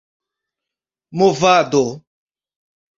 movado